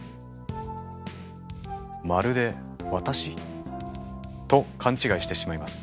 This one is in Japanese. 「まるで私？」と勘違いしてしまいます。